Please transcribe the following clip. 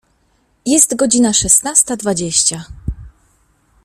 Jest godzina szesnasta dwadzieścia.